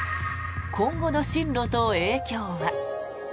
今後の進路と影響は。